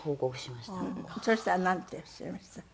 そしたらなんておっしゃいました？